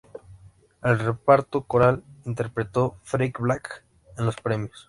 El reparto coral interpretó ""Freak Flag"" en los premios.